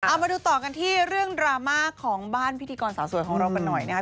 เอามาดูต่อกันที่เรื่องดราม่าของบ้านพิธีกรสาวสวยของเรากันหน่อยนะครับ